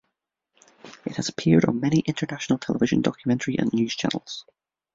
It has appeared on many international television, documentary and news channels.